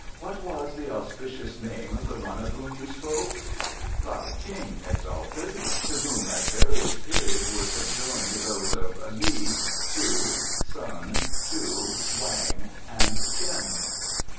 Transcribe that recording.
"What was the auspicious name of the one of whom you spoke?" "Lao Ting, exalted; to whom at various periods were subjoined those of Li, Tzu, Sun, Chu, Wang and Chin."